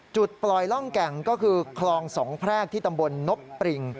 จุดปล่อยร่องแก่งก็คือคลองสองแพรกที่ตำบลนบปริง